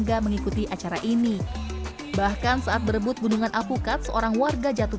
yang tidak mengikuti acara ini bahkan saat berebut gunungan apukat seorang warga jatuh